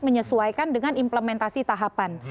menyesuaikan dengan implementasi tahapan